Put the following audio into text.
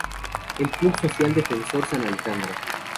El Club Social Defensor San Alejandro.